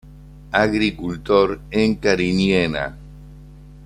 Agricultor en Cariñena.